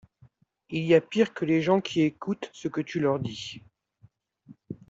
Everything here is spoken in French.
Il y a pire que les gens qui écoutent ce que tu leur dis.